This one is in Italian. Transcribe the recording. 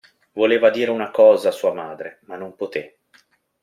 Voleva dire una cosa a sua madre, ma non potè.